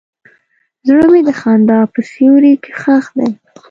زړه مې د خندا په سیوري کې ښخ دی.